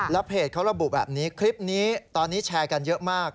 เพจเขาระบุแบบนี้คลิปนี้ตอนนี้แชร์กันเยอะมาก